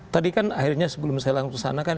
tadi kan akhirnya sebelum saya langsung kesana kan